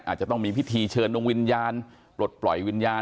อาจจะต้องมีพิธีเชิญดวงวิญญาณปลดปล่อยวิญญาณ